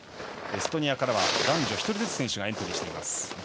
エストニアからは男女１人ずつ選手がエントリーしています。